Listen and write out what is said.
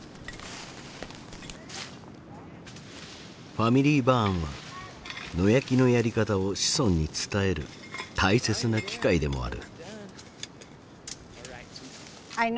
ＦａｍｉｌｙＢｕｒｎは野焼きのやり方を子孫に伝える大切な機会でもある。